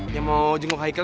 yang mau jenguk haikel